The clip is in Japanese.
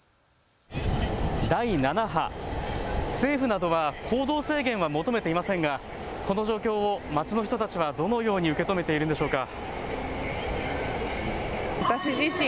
第７波、政府などは行動制限は求めていませんがこの状況を街の人たちは、どのように受け止めているんでしょうか。